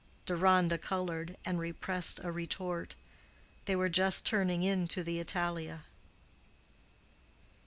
Deronda colored, and repressed a retort. They were just turning into the Italia.